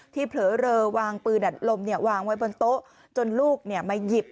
เผลอเลอวางปืนอัดลมวางไว้บนโต๊ะจนลูกมาหยิบ